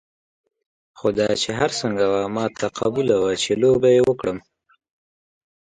خو دا چې هر څنګه وه ما ته قبوله وه چې لوبه یې وکړم.